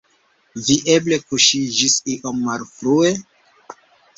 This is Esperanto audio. Vi eble kuŝiĝis iom malfrue?